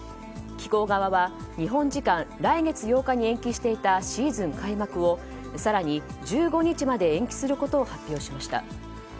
機構側は日本時間来月８日に延期していたシーズン開幕を更に１５日まで延期することを発表しました。